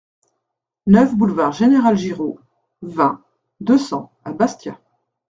neuf boulevard Général Giraud, vingt, deux cents à Bastia